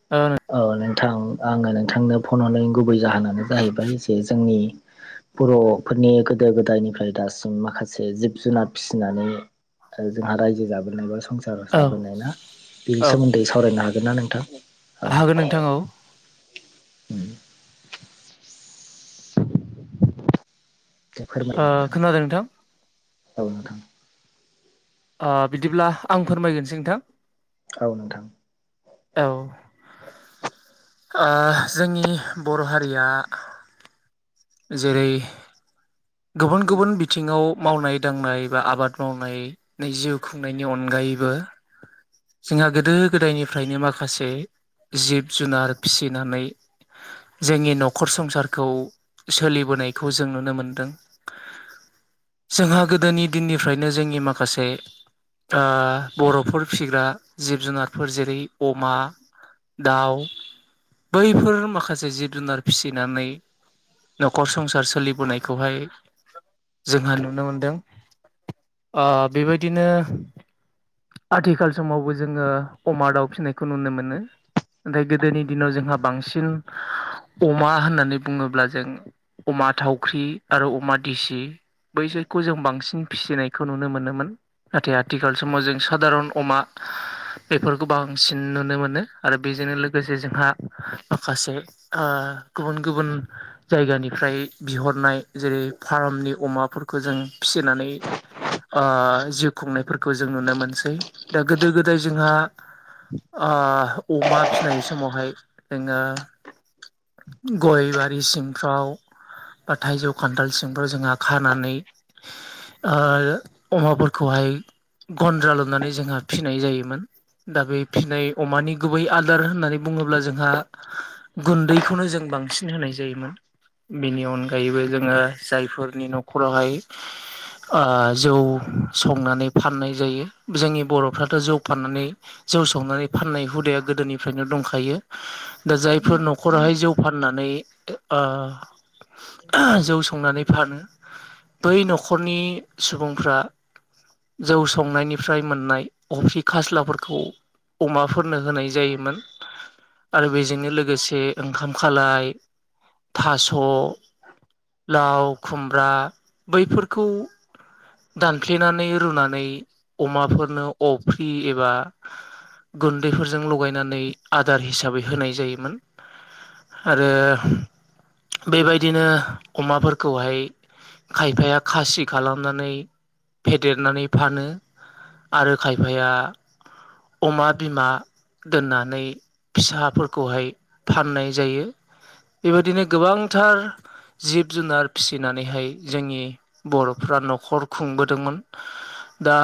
[unintelligible] औ नोंथां आङो नोंथांनो फन हरनायनि गुबै जाहोनानो जाहैबाय जे जोंनि बर'फोरनि गोदो गोदायनिफ्राय दासिम माखासे जिब जुनार फिसिनानै जोंहा रायजो जाबोनाय बा संसार औ जाबोनाय ना बेनि औ सोमोन्दै सावरायनो हागोन ना नोंथां हागोन नोंथां औ उम दे फोरमाय ओ नोंथां खोनादों नोंथां औ नोंथां बिदिब्ला आं फोरमायगोरसै नोंथां औ नोंथां औ जोंनि बर' हारिया जेरै गुबुन गुबुन बिथिङाव मावनाय दांनाय बा आबाद मावनाय नै जिउ खुंनायनि अनगायैबो जोंहा गोदो गोदायनिफ्रायनो माखासे जिब जुनार फिसिनानै जोंनि न'खर संसारखौ सोलिबोनायखौ जों नुनो मोनदों। जोंहा गोदोनि दिननिफ्रायनो जोंनि माखासे आ बर'फोर फिग्रा जिब जुनारफोर जेरै अमा दाउ बैफोर माखासे जिब जुनार फिसिनानै न'खर संसार सोलिबोनायखौहाय जोंहा नुनो मोनदों ओ बेबायदिनो आथिखाल समावबो जोङो अमा दाउ फिसिनायखौ नुनो मोनो। नाथाय गोदोनि दिनाव जोंहा बांसिन अमा होननानै बुङोब्ला जों अमा थावख्रि आरो अमा देसि बैसोखौ जों बांसिन फिसिनायखौ नुनो मोनोमोन। नाथाय आथिखाल समाव जों साादारन अमा बेफोरखौ बांसिन नुनो मोनो आरो बेजोंनो लोगोसे जोंहा माखासे आ गुबुन गुबुन जायगानिफ्राय बिहरनाय जेरै फार्मनि अमाफोरखौ जों फिसिनानै आ जिउ खुंनायफोरखौ जों नुनो मोनसै दा गोदो गोदाय जोंहा ओ अमा फिनाय समावहाय नोङो गयबारि सिं फ्राव बा थाइजौ खान्थाल सिंफ्राव जोंहा खानानै ओ अमाफोरखौहाय गन्द्रा लुनानै जोंहा फिनाय जायोमोन। दा बे फिनाय अमानि गुबै आदार होननानै बुङोब्ला जोंहा गुन्दैखौनो जों बांसिन होनाय जायोमोन। बेनि अनगायैबो जोङो जायफोरनि न'खरावहाय ओ जौ संनानै फाननाय जायो जोंनि बर'फ्राथ' जौ फाननानै जौ संनानै फाननाय हुदाया गोदोनिफ्रायनो दंखायो। दा जायफोर न'खरावहाय जौ फाननानै ओ जौ संनानै फानो बै न'खरनि सुबुंफ्रा जौ संनायनिफ्राय मोननाय अफ्रि खास्लाफोरखौ अमाफोरनो होनाय जायोमोन आरो बेजोंनो लोगोसे ओंखाम खालाय थास' लाव खुमब्रा बैफोरखौ दानफ्लेनानै रुनानै अमाफोरनो अफ्रि एबा गुन्दैफोरजों लगायनानै आदार हिसाबै होनाय जायोमोन। आरो बेबायदिनो अमाफोरखौहाय खायफाया खासि खालामनानै फेदेरनानै फानो। आरो खायफाया अमा बिमा दोननानै फिसाफोरखौहाय फाननाय जायो बेबायदिनो गोबांथार जिब जुनार फिसिनानैहाय जोंनि बर'फ्रा न'खर खुंबोदोंमोन। दा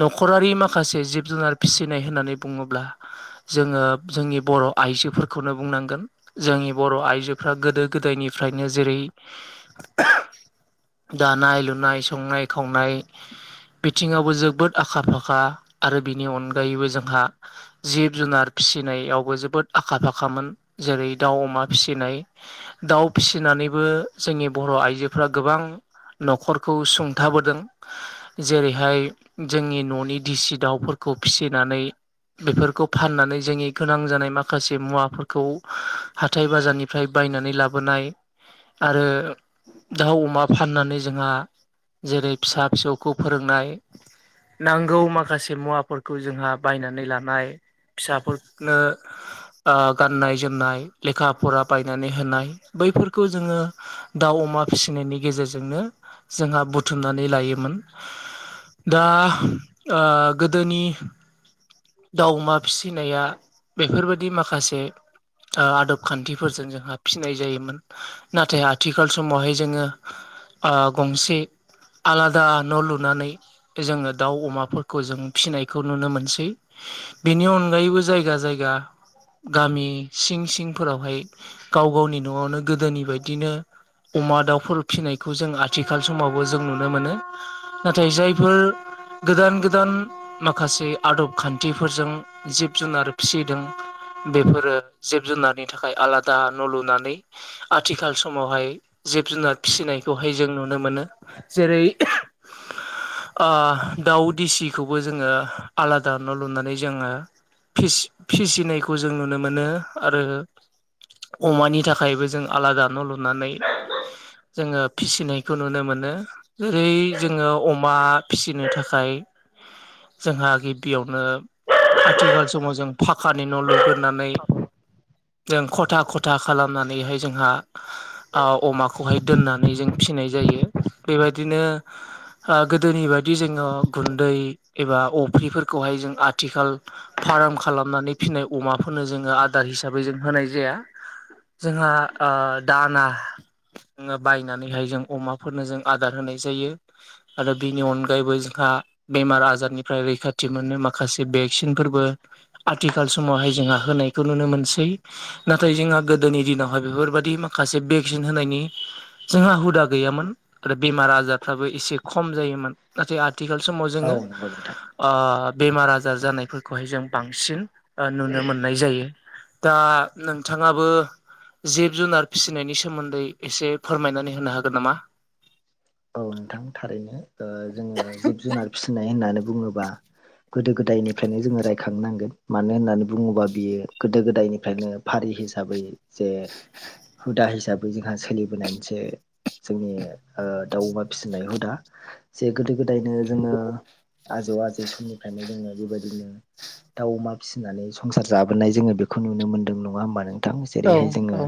न'खरारि माखासे जिब जुनार फिसिनाय होननानै बुङोब्ला जोङो जोंनि बर' आइजोफोरखौनो बुंनांगोन जोंनि बर' आइजोफ्रा गोद दो गोदायनिफ्रायनो जेरै दानाय लुनाय संनाय खावनाय बिथिङावबो जोबोद आखा फाखा आरो बिनि अनगायैबो जोंहा जिब जुनार फिसिनायावबो जोबोद आखा फाखामोन जेरै दाउ अमा फिसिनाय दाउ फिसिनानैबो जोंनि बर' आइजोफ्रा गोबां न'खरखौ सुंथाबोदों जेरैहाय जोंनि न'नि दिसि दाउफोरखौ फिसिनानै बेफोरखौ फाननानै जोंनि गोनां जानाय माखासे मुवाफोरखौ हाथाय बाजारनि ओमफ्राय बायनानै लाबोनाय आरो दाउ अमा फाननानै जोंहा जेरै फिसा फिसौखौ फोरोंनाय नांगौ माखासे मुवाफोरखौ जोंहा बायनानै लानाय फिसाफोरनो गाननाय जोमनाय लेखा फराब बायनानै होनाय बैफोरखौ जोङो दाउ अमा फिसिनायनि गेजेरजोंनो जोंहा बुथुमनानै लायोमोन दा गोदोनि दाउ अमा फिसिनाया बेफोरबायाददि माखासे आदब खान्थि फोरजों जोंहा फिसिनाय जायोमोन नाथाय आथिखाल समावहाय जोङो गंसे आलादा न' लुनानै जोङो दाउ अमाफोरखौ जों फिसिनायखौ नुनो मोनसै बेनि अनगायैबो जायगा जायगा गामि सिं सिंफोरावहाय गाव गावनि न'आवनो गोदोनि बायदिनो अमा दाउफोर फिसिनायखौ जों आथिखाल समावबो जों नुनो मोनो नाथाय जायफोर गोदान गोदान माखासे आदब खान्थिफोरजों जिब जुनार फिसिदों बेफोरो जिब जुनारनि थाखाय आलादा न' लुनानै आथिखाल समावहाय जिब जुनार फिसिनायखौहाय जों नुनो मोनो जेरै दाउ देसिखौबो जोङो आलादा न' लुनानै जोङो फिसिनायखौ जों नुनो मोनो आरो अमानि थाखायबो जों आलादा न' लुनानै जोङो फिसिनायखौ नुनो मोनो जेरै जोङो अमा फिसिनो थाखाय जोंहा गिबियावनो आथिखाल समाव जों फाखानि न' लुगोरनानै जों खथा खथा खालामनानैहाय जोंहा अमाखौहाय दोननानै जों फिनाय जायो बेबायदिनो गोदोनि बायदि जोङो गुन्दै एबा अफ्रिफोरखौहाय जों आथिखाल फार्म खालामनानै फिसिनाय अमाफोरनो जोङो आदार हिसाबै जों होनाय जाया जोंहा दाना बायनानैहाय जों अमाफोरनो जों आदार होनाय जायो आरो बिनि अनगायैबो जोंहा बेमार आजारनिफ्राय रैखाथि मोनो माखासे भेक्सिनफोरबो आथिखाल समावहाय जोंहा होनायखौ नुनो मोनसै नाथाय जोंहा गोदोनि दिनावहाय बेफोरबादि माखासे भेक्सिन होनायनि जोंहा हुदा गैयामोन आरो बेमार आजारफ्राबो एसे खम जायोमोन नाथाय आथिखाल समाव औ जोङो नंगौ नोंथां बेमार आजार जानायफोरखौहाय जों बांसिन नुनो मोननाय जायो दा नोंथाङाबो जिब जुनार फिसिनायनि सोमोन्दै एसे फोरमायनानै होनो हागोन नामा औ नोंथां थारैनो जोङो जिब जुनार फिसिनाय होननानै बुङोब्ला गोदो गोदायनिफ्रायनो जोङो रायखां नांगोन मानो होननानै बुङोबा बियो गोदो गोदायनिफ्रायनो फारि हिसाबै जे हुदा हिसाबै जोंहा सोलिबोनाय मोनसे जोंनि दाउ अमा फिसिनाय हुदा जे गोदो गोदायनो जोङो आजौ आजै समनिफ्रायनो जोङो बेबायदिनो दाउ अमा फिसिनानै संसार जाबोनाय जोङो बेखौ नुनो मोन्दों नङा होनोमबानो औ जेरैहाय जोङो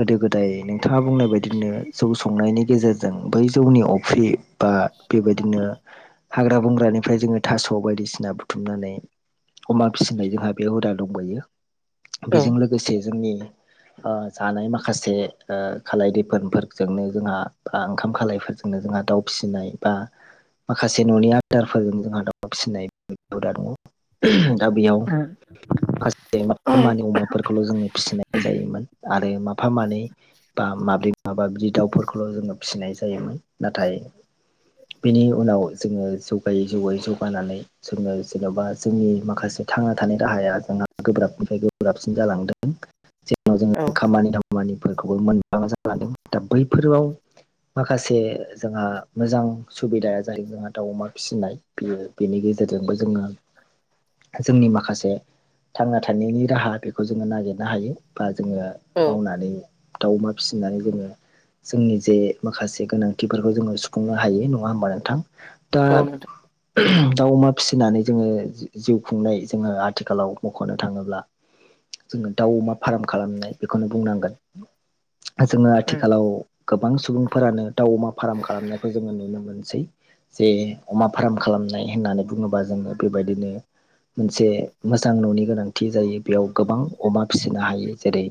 गोदो गोदाय नोंथाङा बुंनाय बायदिनो जौ संनायनि गेजेरजों बै जौनि अफ्रि बा बेबायदिनो हाग्रा बंग्रानिफ्राय जोङो थास' बायदिसिना बुथुमनानै अमा फिसिनाय जोंहा बे हुदा दंबयो औ बेजों लोगोसे जोंनि जानाय माखासे खालायदिफोरोनफोरजोंनो जोंहा ओंखाम खालायफोरजोंनो जोंहा दाउ फिसिनाय बा माखासे न'नि आदारफोरजों जोंहा दाउम फिसिनायरा दङ दा बेयाव माखासे म मानि अमाफोरखौल' जोङो फिसिनाय जायोमोन। आरो माफा मानै बा माब्रै माबा बिदि दाउफोरखौल' जोङो फिसिनाय जायोमोन नाथाय बेनि उनाव जोङो जौगायै जौगायै जौगानानै जोङो जेन'बा जोंनि माखासे थांना थानाय राहाया जोंहा गोब्राबनिफ्राय गोब्राबसिन जालांदों जोंनाव औ जोङो खामानि दामानिफोरखौबो मोनबाङा जाालांदों दा बैफोराव माखासे जोंहा मोजां सुबिदाया ज जादों जोंहा दाउ अमा फिसिनाय बियो बेनि गेजेरजोंबो जोङो जोंनि माखासे थांना थानायनि राहा बेखौ जोङो नागिरनो हायो बा जोङो औ मावनानै दाउ अमा फिसिनानै जोङो जोंनि जे माखासे गोनांथिफोरखौ जोङो सुफुंनो हायो नङा होमबा नोंथां दा औ दाउ अमा फिसिनानै जोङो जिउ खुंनाय जोङो आथिखालाव मख'नो थाङोब्ला जोङो दाउ अमा फार्म खालामनाय बेखौनो बुंनांगोन जोङो उम आथिखालाव गोबां सुबुंफोरानो दाउ अमा फार्म खालामनायखौ जोङो नुनो मोनसै। जे अमा फार्म खालामनाय होननानै बुङोबा जोङो बेबायदिनो मोनसे मोजां न'नि गोनांथि जायो बेयाव गोबां अमा फिसिनो हायो जेरै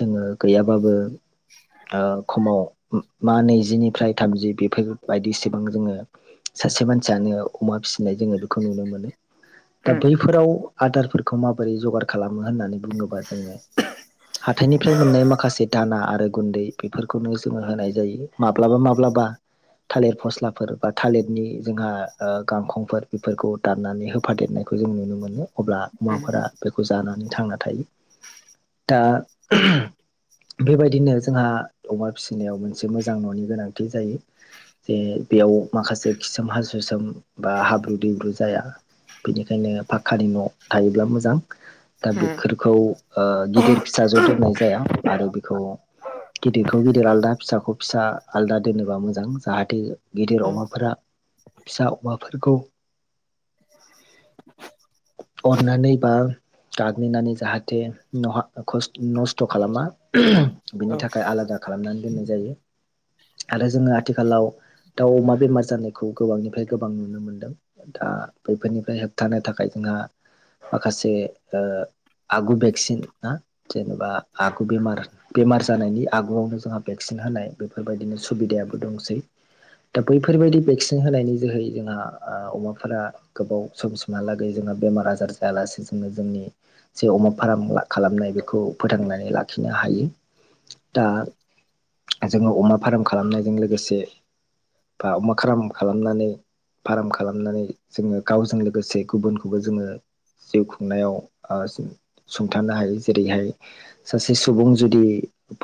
जोङो गैयाबाबो समाव मा नैजिनिफ्राय थामजि बेफोरबायदि सिबां जोङो सासे मानसियानो अमा फिसिनाय जोङो बेखौ नुनो मोनो दा उम बैफोराव आदारफोरखौ माबोरै जगार खालामो होननानै बुङोबा जोङो हाथाइनिफ्राय मोननाय माखासे दाना आरो गुन्दै बेफोरखौनो जोङो होनाय जायो माब्लाबा माब्लाबा थालिर फस्लाफोर बा थालिरनि जोंहा गांखंफोर बेफोरखौ दाननानै होफादेरनायखौ जों नुनो मोनो अब्ला उम अमाफोरा बेखौ जानानै थांना थायो। दा बेबायदिनो जोंहा अमा फिसिनायाव मोनसे मोजां न'नि गोनांथि जायो। जे बेयाव माखासे खिसोम हासु सोम बा हाब्रु दैब्रु जाया बेनिखायनो पाखक्कानि न' थायोब्ला मोजां दा बेफोरखौ उम गिदिर फिसा ज' दोननाय जाया आरो बेखौ गिदिरखौ गिदिर आलादा फिसाखौ फिसा आलादा दोनोबा मोजां जाहाथे गिदिर औ अमाफोरा फिसा औवाफोरखौ [inaudible] हरनानै बा गाग्लिनानै जाहाथे न खस्थ' नस्थ' खालामा बिनि औ थाखाय आलादा खालामनानै दोननाय जायो। आरो जोङो आथिखालाव दाउ अमा बेमार जानायखौ गोबांनिफ्राय गोबां नुनो मोनदों। दा बैफोरनिफ्राय होबथानो थाखाय जोंहा माखासे आगु भेक्सिन ना जेनेबा आगु बेम बेमार जानायनि आगुआवनो जोंहा भेक्सिन होनाय बेफोरबायदिनो सुबिदायाबो दंसै दा बैफोरबायदि भेक्सिन होनायनि जोहै जोंहा अमाफोरा गोबाव समसिमहालागै जोंहा बेमार आजार जायालासे जोङो जोंनि जे अमा फार्म खालामनाय बेखौ फोथांनानै लाखिनो हायो। दा जोङो अमा फार्म खालामनायजों लोगोसे बा अमा खाराम खालामनानै फार्म खालामनानै जोङो गावजों लोगोसे गुबुनखौबो जोङो जिउ खुंनायाव सुंथानो हायो जेरैहाय सासे सुबुं जुदि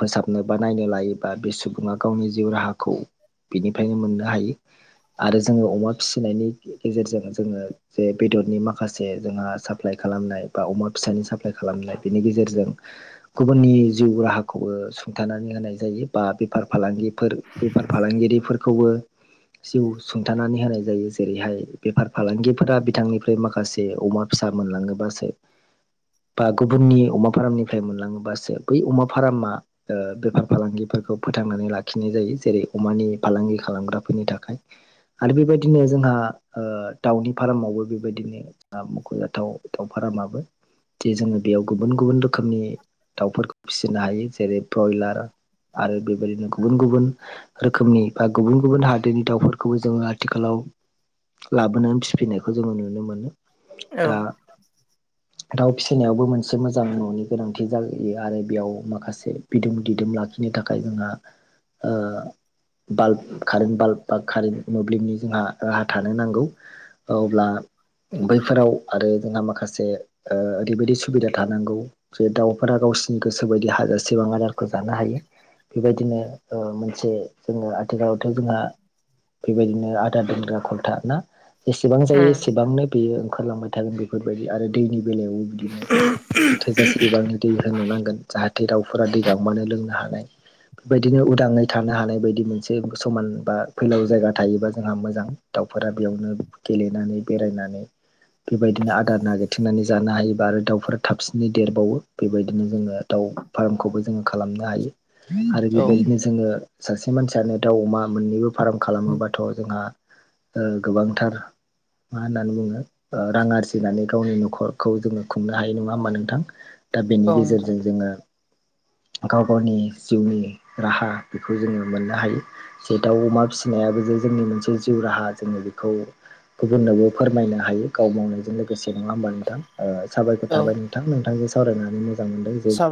फोसाबनो बा नायनो लायोबा बे सुबुङा गावनि जिउ राहाखौ बिनिफ्रायनो मोननो हायो। आरो जोङो अमा फिसिनायनि गेजेरजों जोङो जे बेदरनि माखासे जोंहा साफ साप्लाइ खालामनाय बा अमा फिसानि साप्लाइ खालामनाय बेनि गेजेरजों गुबुननि जिउ राहा खौबो सुंथानानै होनाय जायो बा बेफार फालांगिफोर बेफार फालांगिरिफोरखौबो जिउ सुंथानानै होनाय जायो जेरैहाय बेफार फालांगिफोरा बिथांनिफ्राय माखासे अमा फिसा मोनलाङोबासो बा गुबुननि अमा फार्मनिफ्राय मोनलाङोबासो बै अमा फारामा ओ बेफार फालांगिफोरखौ फोथांनानै लाखिनाय जायो जेरै अमानि फालांगि खालामग्राफोरनि थाखाय आरो बेबायदिनो जोंहा ओ दावनि फार्मावबो बेबायदिनो मख'जाथाव दाव फार्माबो जे जोङो बेयाव गुबुन गुबुन रोखोमनि दाउफोरखौ फिसिनो हायो जेरै ब्रयलार आरो बेबायदिनो गुबुन गुबुन रोखोमनि बा गुबुन गुबुन हादोरनि दाउफोरखौबो जोङो आथिखालाव लाबोनानै फिफिनायखौ जोङो नुनो मोनो औ दा दाउ फिसिनायावबो मोनसे मोजां न'नि गोनांथि जायो आरो बेयाव माखासे बिदुं दिदोम लाखिनो थाखाय जोंहा ओ बाल्ब कारेन्ट बाल्ब बा कारेन मोब्लिबनि जोंहा राहा थानो नांगौ अब्ला बैफोराव आरो जोंहा माखासे ओ ओरैबायदि सुबिदा थानांगौ जे दाउफोरा गावसि गोसोबायदि हाजारसेबां आदारखौ जानो हायो बेबायदिनो ओ मोनसे जोङो आथिखालावथ' जोंहा बेबायदिनो आदार दोनग्रा खलथा ना जेसेबां जायो उम एसेबांनो बेयो ओंखारलांबाय थागोन बेफोरबायदि आरो दैनि बेलायावबो बिदिनो थोजासे बिबांनि दै होनो नांगोन जाहाथे दावफोरा दै गांबानो लोंनो हानाय बेबायदिनो उदाङै थानो हानाय बायदि मोनसे समान बा फैलाव जायगा थायोबा जोंहा मोजां दाउफोरा बेयावनो गेलेनानै बेरायनानै बेबायदिनो आदार नागिरथेनानै जानो हायोबा आरो दाउफोरा थाबसिनै देरबावो बेबायदिनो जोङो दाउ फार्मखौबो जोङो खालामनो हायो आरो औ बेबायदिनो जों ङो सासे मानसियानो दाउ अमा मोननैबो फार्म खालामोबाथ' जोंहा ओ गोबांथार मा होननानै बुङो रां आरजिनानै गावनि न'खरखौ जोङो खुंनो हाय नङा होमा नोंथां। दा बेनि नोंथां गेजेरजों जोङो गाव गावनि जिउनि राहा बेखौ जोङो मोननो हायो। जे दाउ अमा फिसिनायाबो जे जोंनि मोनसे जिउ राहा जोङो बेखौ गुबुननोबो फोरमायनो हायो गाव मावनायजों लोगोसे नङा हब नोंथां। आ साबायखर औ थाबाय नोंथां नोंथांजों सावरायनानै मोजां मोनदों जे साबाय